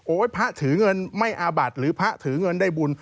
พระถือเงินไม่อาบัติหรือพระถือเงินได้บุญ